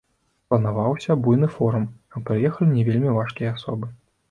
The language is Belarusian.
Планаваўся буйны форум, а прыехалі не вельмі важкія асобы.